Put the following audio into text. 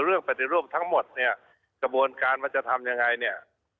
เรื่องปฏิรูปทั้งหมดเนี่ยกระบวนการวัฒนธรรมยังไงเนี่ย